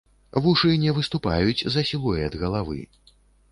Вушы не выступаюць за сілуэт галавы.